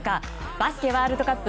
バスケワールドカップ